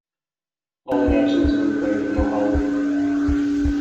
All matches were played in Mohali.